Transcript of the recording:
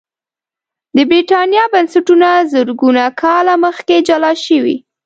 د برېټانیا بنسټونه زرګونه کاله مخکې جلا شوي